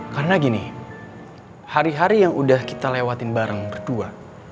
karena gini hari hari yang udah kita lewatin bareng berdua